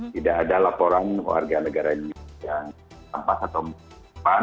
tidak ada laporan warga negara indonesia yang tanpa ketumbuhan